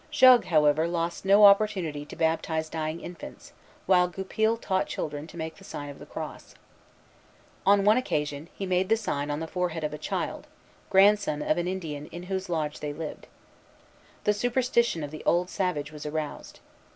Jogues, however, lost no opportunity to baptize dying infants, while Goupil taught children to make the sign of the cross. On one occasion, he made the sign on the forehead of a child, grandson of an Indian in whose lodge they lived. The superstition of the old savage was aroused.